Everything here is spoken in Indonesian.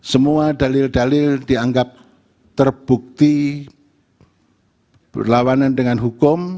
semua dalil dalil dianggap terbukti berlawanan dengan hukum